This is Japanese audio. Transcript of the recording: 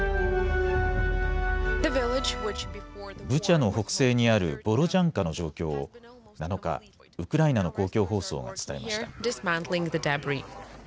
ブチャの北西にあるボロジャンカの状況を７日、ウクライナの公共放送が伝えました。